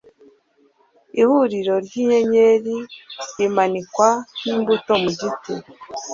Ihuriro ryinyenyeri rimanikwa nkimbuto mu giti